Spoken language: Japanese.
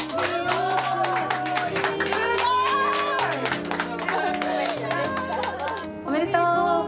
すごい！おめでとう！